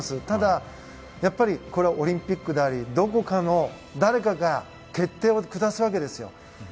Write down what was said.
ただ、これはオリンピックでありどこかの誰かが、決定を下すわけですよ。